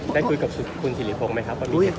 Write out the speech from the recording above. ได้คุยกับคุณธิภงไหมครับ